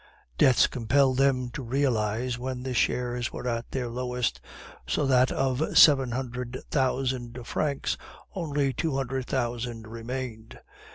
Debts compelled them to realize when the shares were at their lowest, so that of seven hundred thousand francs only two hundred thousand remained.